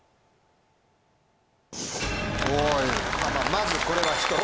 まずこれは１つ。